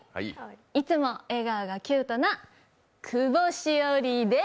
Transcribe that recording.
いつも笑顔がキュートな久保史緒里です。